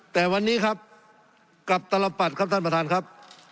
แต่วันนี้ครับกับตลปัดครับท่านประธานครับ